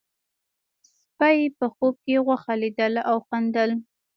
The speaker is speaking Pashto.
سپي په خوب کې غوښه لیدله او خندل.